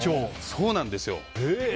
そうなんですよ！